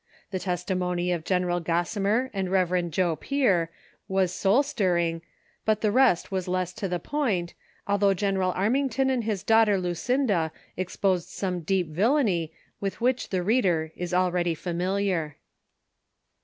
Tlie testimony of 382 THE SOCIAL WAR OF 1900; OR, General Gossimer and Rev. Joe Pier was soul stirring, but the rest was less to the point, although General Armington and his daughter Lucinda exposed some deep villany with whicli the reader is already familiar.